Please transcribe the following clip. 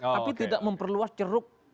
tapi tidak memperluas ceruk